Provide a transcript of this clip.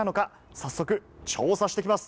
早速、調査してきます！